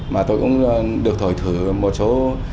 mà tôi cũng được thổi thử một số